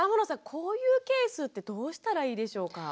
こういうケースってどうしたらいいでしょうか？